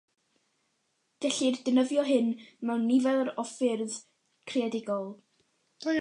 Gellir defnyddio hyn mewn nifer o ffyrdd creadigol.